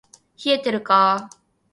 冷えてるか～